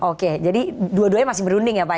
oke jadi dua duanya masih berunding ya pak ya